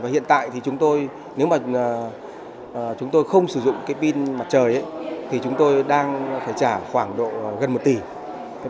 hiện tại thì chúng tôi nếu mà chúng tôi không sử dụng cái pin mặt trời thì chúng tôi đang phải trả khoảng độ gần một tỷ